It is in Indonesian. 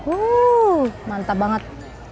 oh mantap banget